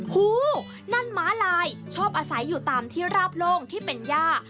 หูนั่นม้าลายชอบอาศัยอยู่ตามที่ราบโล่งที่เป็นย่า